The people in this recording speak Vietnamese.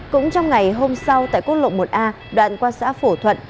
cũng trong ngày hôm sau tại quốc lộ một a đoạn qua xã phổ thuận